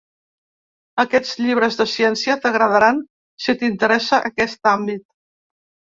Aquests llibres de ciència t'agradaran si t'interessa aquest àmbit.